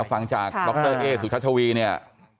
ฟังจากดรเอสุทัชวีเนี่ย